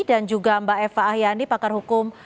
dan juga mbak eva ahyani pakar hukum